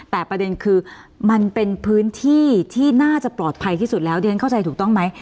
แต่ประเด็นคือมันเป็นพื้นที่ที่น่าจะปลอดภัยที่สุดแล้วเรียนเข้าใจถูกต้องไหม